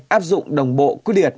áp dụng đồng bộ quy địa